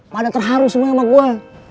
pada terharu semua sama gua